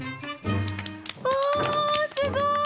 おすごい！